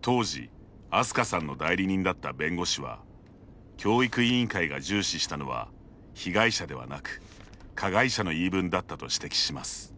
当時、あすかさんの代理人だった弁護士は教育委員会が重視したのは被害者ではなく加害者の言い分だったと指摘します。